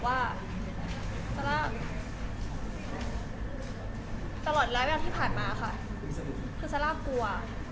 ว่าซาร่าตลอดแล้วที่ผ่านมาค่ะคือซาร่ากลัว